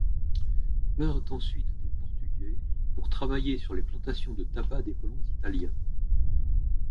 Vinrent ensuite des Portugais pour travailler sur les plantations de tabac des colons Italiens.